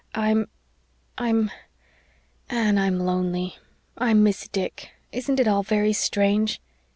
I'm I'm Anne, I'm lonely. I miss Dick. Isn't it all very strange?